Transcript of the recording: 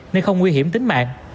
nên không nguy hiểm tính mạng